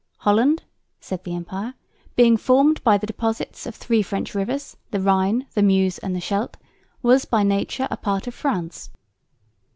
"Holland," said the emperor, "being formed by the deposits of three French rivers, the Rhine, the Meuse and the Scheldt, was by nature a part of France."